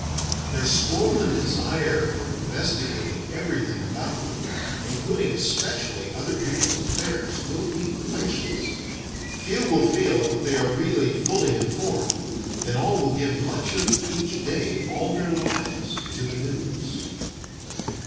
Their swollen desire for investigating everything about them, including especially other people's affairs, will be quenchless. Few will feel that they really are "fully informed"; and all will give much of each day all their lives to the news.